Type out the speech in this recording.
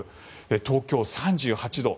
東京、３８度。